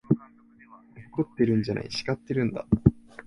怒ってるんじゃない、叱ってるんだ。